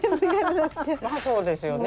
ああそうですよね。